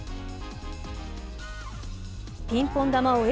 ピンポン球をＡ